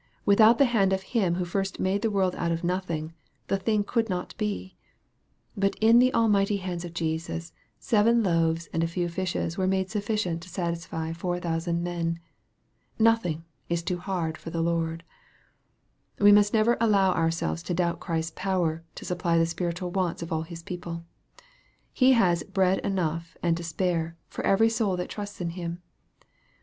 Without the hand of Him who first made the world out of nothing, the thing could not be. But in the almighty hands of Jesus seven loaves and a few fishes were made sufficient to satisfy four thousand men. Nothing is too hard for the Lord. We must never allow ourselves to doubt Christ's power to supply the spiritual wants of all His people. He has " bread enough and to spare" for every soul that trusts in Him.